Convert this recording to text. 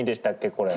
これ？